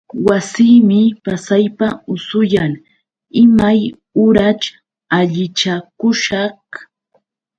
Wasiymi pasaypaq usuyan. Imay uraćh allichakushaq?